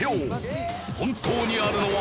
本当にあるのは。